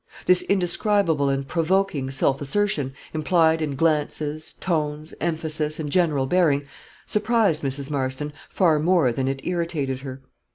This indescribable and provoking self assertion, implied in glances, tones, emphasis, and general bearing, surprised Mrs. Marston far more than it irritated her.